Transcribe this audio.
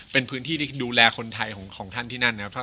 เป็นพื้นที่ที่ดูแลคนไทยของท่านที่นั่นนะครับ